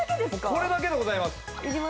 これだけでございます。